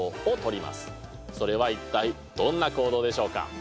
それは一体どんな行動でしょうか。